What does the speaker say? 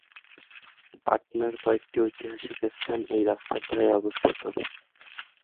পাটনার কয়েকটি ঐতিহাসিক স্থান এই রাস্তার ধারে অবস্থিত।